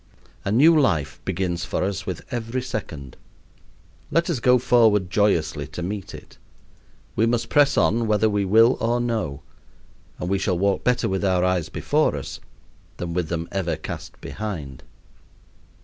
A new life begins for us with every second. Let us go forward joyously to meet it. We must press on whether we will or no, and we shall walk better with our eyes before us than with them ever cast behind.